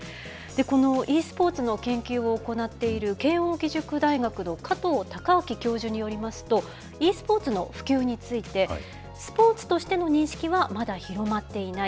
このｅスポーツの研究を行っている慶應義塾大学の加藤貴昭教授によりますと、ｅスポーツの普及について、スポーツとしての認識はまだ広まっていない。